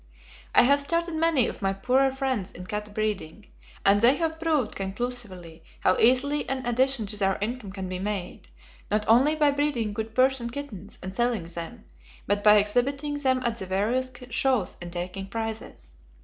"I have started many of my poorer friends in cat breeding, and they have proved conclusively how easily an addition to their income can be made, not only by breeding good Persian kittens and selling them, but by exhibiting them at the various shows and taking prizes.